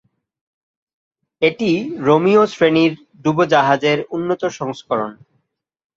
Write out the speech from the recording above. এটি রোমিও শ্রেণির ডুবোজাহাজের উন্নত সংস্করণ।